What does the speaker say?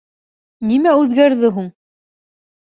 Нимә үҙгәрҙе һуң?